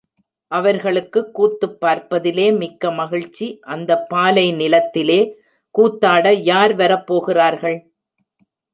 அவர்களுக்குக் கூத்துப் பார்ப்பதிலே மிக்க மகிழ்ச்சி அந்தப் பாலை நிலத்திலே கூத்தாட யார் வரப் போகிறார்கள்?